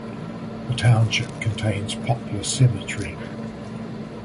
The township contains Poplar Cemetery.